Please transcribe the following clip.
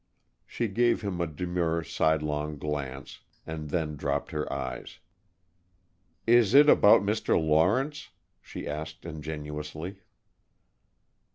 She gave him a demure, sidelong glance, and then dropped her eyes. "Is it about Mr. Lawrence?" she asked, ingenuously.